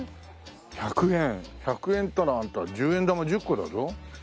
１００円ったらあんた１０円玉１０個だぞ？